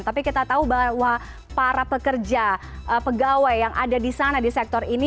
tapi kita tahu bahwa para pekerja pegawai yang ada di sana di sektor ini